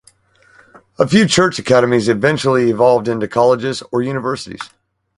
A few church academies eventually evolved into colleges or universities.